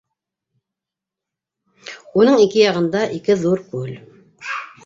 Уның ике яғында - ике ҙур күл.